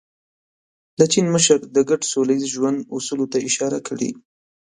د چین مشر د ګډ سوله ییز ژوند اصولو ته اشاره کړې.